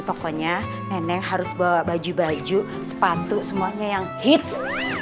pokoknya nenek harus bawa baju baju sepatu semuanya yang hits